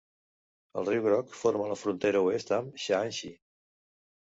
El riu Groc forma la frontera oest amb Shaanxi.